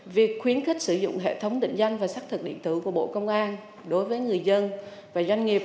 việc khuyến khích sử dụng hệ thống định danh và xác thực điện tử của bộ công an đối với người dân và doanh nghiệp